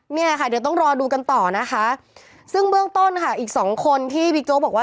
เดี๋ยวต้องรอดูกันต่อซึ่งเบื้องต้นอีกสองคนที่บิ๊กโจ๊กบอกว่า